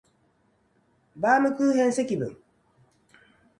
バームクーヘン積分